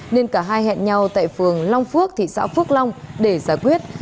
nên cả hai hẹn nhau tại phường long phước thị xã phước long để giải quyết